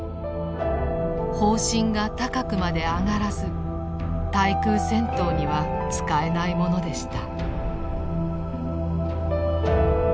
砲身が高くまで上がらず対空戦闘には使えないものでした。